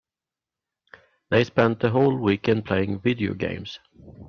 They spent the whole weekend playing video games.